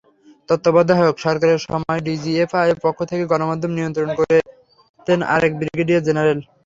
তত্ত্বাবধায়ক সরকারের সময় ডিজিএফআইয়ের পক্ষ থেকে গণমাধ্যম নিয়ন্ত্রণ করতেন আরেক ব্রিগেডিয়ার জেনারেল।